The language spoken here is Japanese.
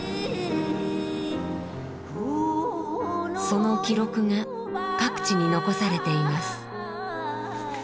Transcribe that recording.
その記録が各地に残されています。